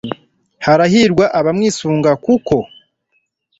harahirwa abamwisunga, kuko